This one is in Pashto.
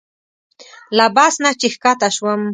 له بس نه چې ښکته شوم.